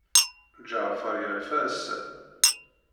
Ǧeɛfer yerfa ass-a.